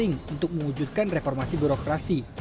yang penting untuk mewujudkan reformasi burokrasi